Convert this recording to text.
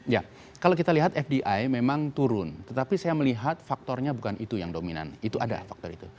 ya kalau kita lihat fdi memang turun tetapi saya melihat faktornya bukan itu yang dominan itu ada faktor itu